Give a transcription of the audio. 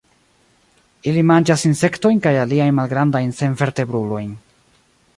Ili manĝas insektojn kaj aliajn malgrandajn senvertebrulojn.